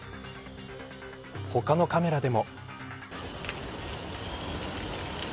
他のカメラでも。